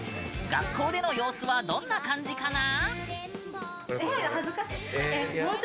学校での様子はどんな感じかな？